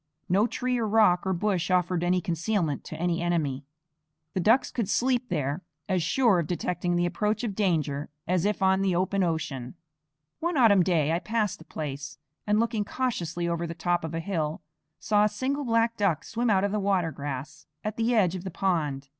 No tree or rock or bush offered any concealment to an enemy; the ducks could sleep there as sure of detecting the approach of danger as if on the open ocean. One autumn day I passed the place and, looking cautiously over the top of a hill, saw a single black duck swim out of the water grass at the edge of the pond.